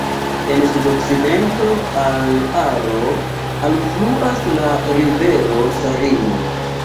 En sudokcidento al Aro alfluas la rivero Sarino.